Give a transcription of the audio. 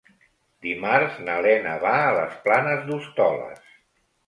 Dimarts na Lena va a les Planes d'Hostoles.